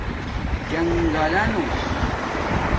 جنݣگلانُݸ